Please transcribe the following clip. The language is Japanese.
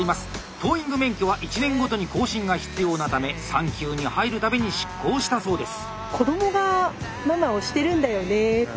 トーイング免許は１年ごとに更新が必要なため産休に入るたびに失効したそうです。